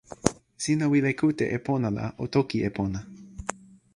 sina wile kute e pona la o toki e pona.